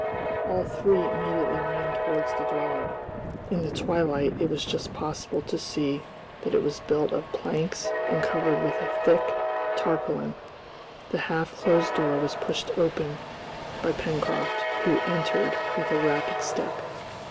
All three immediately ran towards the dwelling. In the twilight it was just possible to see that it was built of planks and covered with a thick tarpaulin. The half closed door was pushed open by Pencroft, who entered with a rapid step.